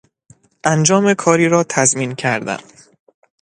انجام کاری را تضمین کردن